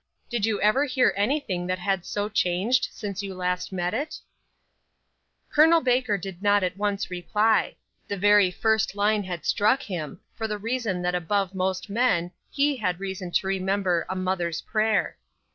Did you ever hear anything that had so changed since you last met it?" Col. Baker did not at once reply. The very first line had struck him, for the reason that above most men, he had reason to remember a "mother's prayer."